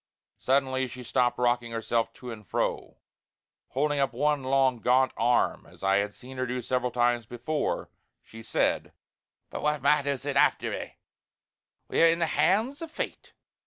Suddenly she stopped rocking herself to and fro; holding up one long gaunt arm as I had seen her do several times before, she said: "But what matters it after a'! We're in the hands o' Fate!